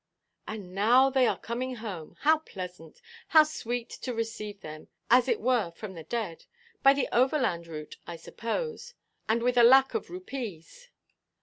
"And now they are coming home. How pleasant! How sweet to receive them, as it were from the dead! By the overland route, I suppose, and with a lac of rupees?"